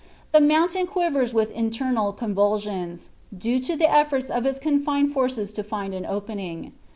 The mountain quivers with internal convulsions, due to the efforts of its confined forces to find an opening.